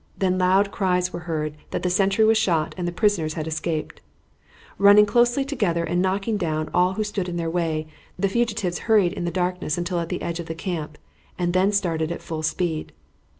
Then loud cries were heard that the sentry was shot and the prisoners had escaped. Running closely together and knocking down all who stood in their way, the fugitives hurried in the darkness until at the edge of the camp, and then started at full speed.